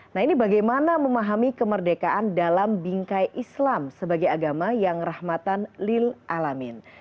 nah ini bagaimana memahami kemerdekaan dalam bingkai islam sebagai agama yang rahmatan lil'alamin